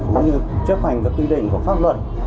cũng như chấp hành các quy định của pháp luật